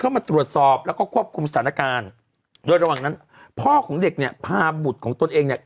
มาตรวจสอบแล้วก็ควบคุมสถานการณ์โดยระหว่างนั้นพ่อของเด็กเนี่ยพาบุตรของตนเองเนี่ย